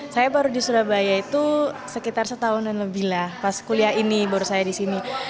saya baru di surabaya itu sekitar setahun dan lebih lah pas kuliah ini baru saya di sini